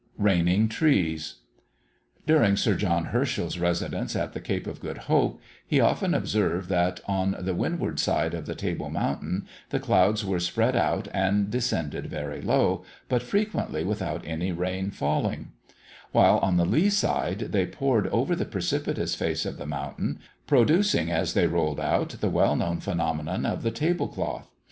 "RAINING TREES." During Sir John Herschel's residence at the Cape of Good Hope, he often observed that on the windward side of the Table Mountain the clouds were spread out and descended very low, but frequently without any rain falling; while, on the lee side they poured over the precipitous face of the mountain, producing as they rolled out, the well known phenomenon of the table cloth.